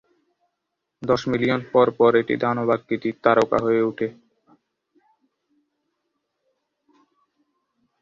দশ মিলিয়ন পর পর এটি দানব আকৃতির তারকা হয়ে উঠে।